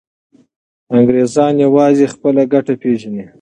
انګریزان یوازې خپله ګټه پیژني.